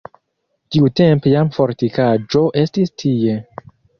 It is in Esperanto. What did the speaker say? Tiutempe jam fortikaĵo estis tie.